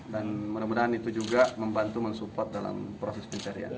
dan mudah mudahan itu juga membantu men support dalam proses pencarian